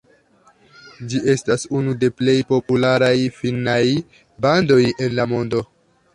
Ĝi estas unu de plej popularaj finnaj bandoj en la mondo.